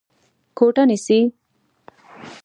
کوټه نيسې؟